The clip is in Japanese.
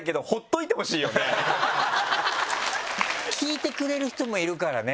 聞いてくれる人もいるからね